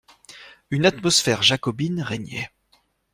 Une atmosphère jacobine régnait.